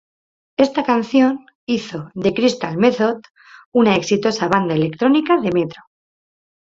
Esta canción hizo The Crystal Method una exitosa banda electrónica de metro.